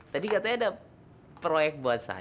tadi katanya ada proyek buat saya